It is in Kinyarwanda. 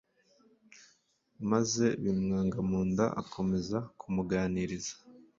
maze bimwanga mu nda akomeza kumuganiriza.